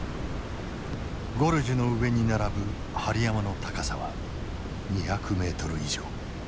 ゴルジュの上に並ぶ針山の高さは２００ｍ以上。